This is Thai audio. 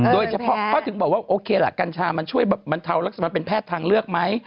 โดยเฉพาะเขาถึงบอกว่าโอเคล่ะกัญชามันช่วยบรรเทาลักษณะเป็นแพทย์ทางเลือกไหม